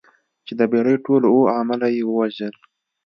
چې د بېړۍ ټول اووه عمله یې ووژل.